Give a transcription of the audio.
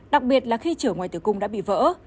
đặc biệt là khi trở ngoài từ cung đã bị vỡ